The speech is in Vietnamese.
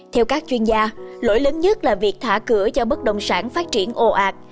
theo các chuyên gia lỗi lớn nhất là việc thả cửa cho bất động sản phát triển ồ ạt